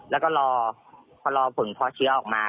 แล้วก็พอรอผลเพราะเชื้อออกมา